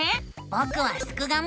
ぼくはすくがミ！